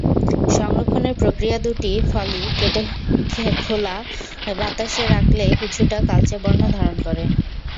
সংরক্ষণের প্রক্রিয়াদুটি ফলই কেটে খোলা বাতাসে রাখলে কিছুটা কালচে বর্ণ ধারণ করে।